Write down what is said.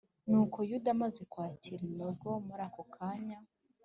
nuko yuda amaze kwakira inogo muri ako kanya